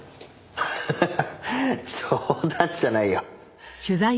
ハハハッ冗談じゃないよ。